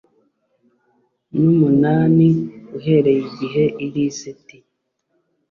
n umunani uhereye igihe ilisiti